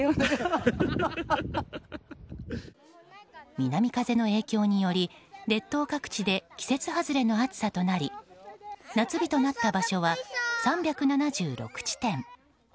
南風の影響により列島各地で季節外れの暑さとなり夏日となった場所は３７６地点。